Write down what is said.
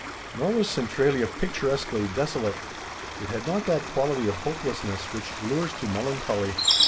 Nor was Centralia picturesquely desolate. It had not that quality of hopelessness which lures to melancholy.